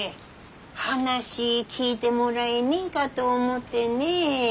話聞いてもらえねえかと思ってねぇ。